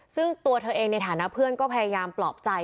ซึ่งตัวเธอเองในฐานะเพื่อนก็พยายามปลอบใจ